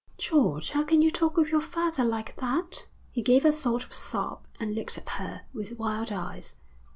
'George, how can you talk of your father like that!' He gave a sort of sob and looked at her with wild eyes.